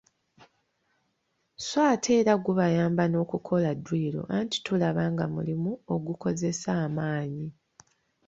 So ate era gubayamba n’okukola dduyiro anti tulaba nga mulimu okukozesa amaanyi.